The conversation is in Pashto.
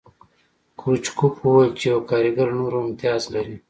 کرو چکوف وویل چې یو کارګر له نورو امتیاز لري